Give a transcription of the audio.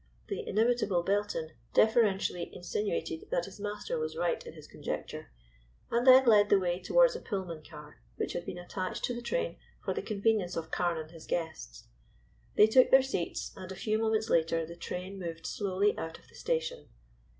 The inimitable Belton deferentially insinuated that his master was right in his conjecture, and then led the way towards a Pullman car, which had been attached to the train for the convenience of Carne and his guests. They took their seats, and a few moments later the train moved slowly out of the station.